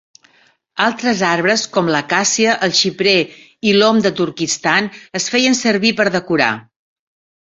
Altres arbres com l'acàcia, el xiprer i l'om de Turkistan es feien servir per decorar.